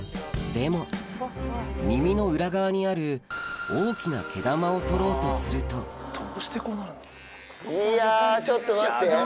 でも耳の裏側にある大きな毛玉を取ろうとするといやちょっと待って。